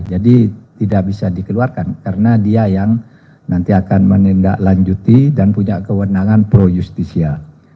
jadi tidak bisa dikeluarkan karena dia yang nanti akan menindaklanjuti dan punya kewenangan pro justisia